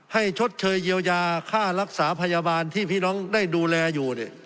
ชดเชยเยียวยาค่ารักษาพยาบาลที่พี่น้องได้ดูแลอยู่